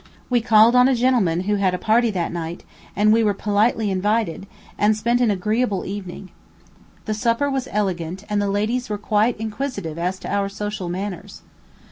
We called on a gentleman who had a party that night, and we were politely invited, and spent an agreeable evening. The supper was elegant, and the ladies were quite inquisitive as to our social manners.